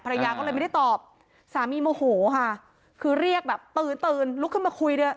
ภรรยาก็เลยไม่ได้ตอบสามีโมโหค่ะคือเรียกแบบตื่นตื่นลุกขึ้นมาคุยด้วย